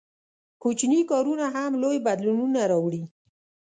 • کوچني کارونه هم لوی بدلونونه راوړي.